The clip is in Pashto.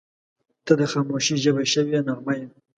• ته د خاموشۍ ژبه شوې نغمه یې.